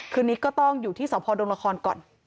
นี้ก็ต้องอยู่ที่สพดงละครก่อน